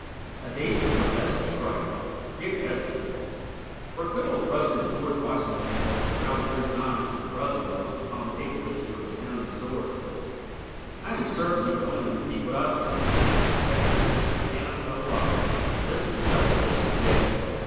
A Daisy for S. P. Wright Dear Editor: Were good old President George Washington himself to travel through time to the present and look upon the April issue of Astounding Stories, I am certain he would only repeat what I say: "Editor, I cannot tell a lie. This is the best issue yet!"